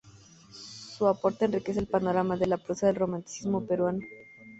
Su aporte enriquece el panorama de la prosa del romanticismo peruano".